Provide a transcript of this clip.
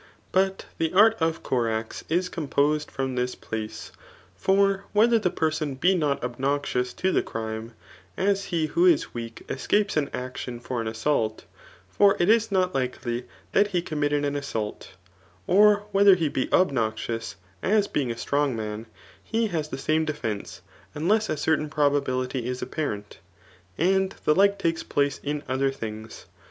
But the art of Corax is composed from this place* For whether the person be not obnoxious to the crithe ; as he who is weak escapes an action for an assauk ; fi>r it is not likdy that he committed an assault ; or whether he be obnon>tts, as being a strong man, he has the same defence, unless a certain probability is apparent. And the like takes place in odier things.